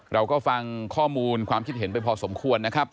เราก็ฟังข้อมูลความคิดเห็นไปพอสมควรนะครับ